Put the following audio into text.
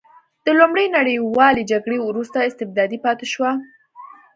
د لومړۍ نړیوالې جګړې وروسته استبدادي پاتې شوه.